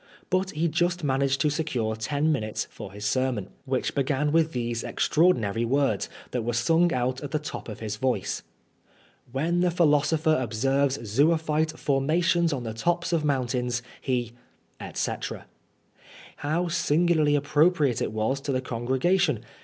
But he just managed to secure ten minutes for his sermon, which 148 PRISONEB FOB BXiASPHBMY. began with these extraordinary words, that were sung ont at the top of his voice :*^ When the philosopher observes zoophyte formations on the tops of monntains, he/* etc. How singularly appropriate it was to the congregation.